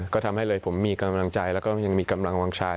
ก็ทำให้เลยผมมีกำลังใจแล้วก็ยังมีกำลังวางชาย